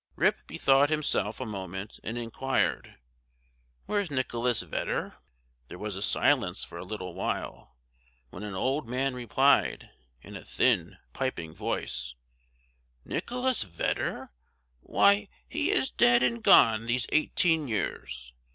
Rip bethought himself a moment, and inquired, Where's Nicholas Vedder? There was a silence for a little while, when an old man replied, in a thin, piping voice, "Nicholas Vedder? why, he is dead and gone these eighteen years!